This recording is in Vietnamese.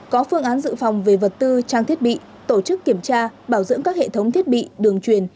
có phương án dự phòng về vật tư trang thiết bị tổ chức kiểm tra bảo dưỡng các hệ thống thiết bị đường truyền